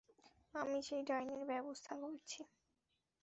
আমি সেই ডাইনির ব্যবস্থা করছি।